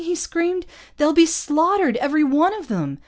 he screamed. "They'll be slaughtered, every one of them!"